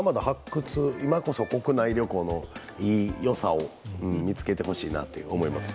今こそ国内旅行のよさを見つけてほしいなと思います。